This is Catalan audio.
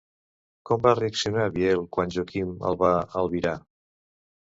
Com va reaccionar Biel quan Joanín el va albirar?